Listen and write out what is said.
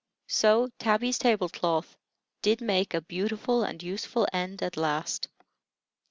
So Tabby's table cloth did make a beautiful and useful end at last.